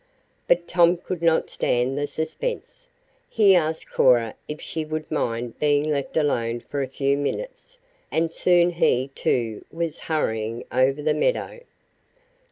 But Tom could not stand the suspense. He asked Cora if she would mind being left alone for a few minutes, and soon he, too, was hurrying over the meadow.